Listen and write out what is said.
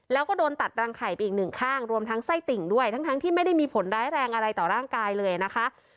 แล้วก็โดนตัดรังไข่ไปอีกหนึ่งข้างรวมทั้งไส้ติ่งด้วยทั้งที่ไม่ได้มีผลร้ายแรงอะไรต่อร่างกายเลยนะคะ